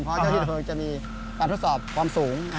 เพราะเจ้าที่เพลิงจะมีการทดสอบความสูง